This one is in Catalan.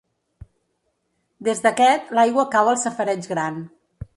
Des d'aquest, l'aigua cau al safareig gran.